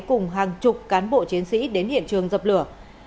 cùng hàng chục cán bộ chiến sĩ đến hiện trường dập lửa